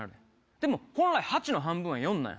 でも、本来８の半分は４なんや。